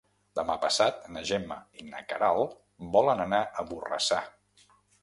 Demà passat na Gemma i na Queralt volen anar a Borrassà.